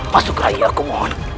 masuk rai aku mohon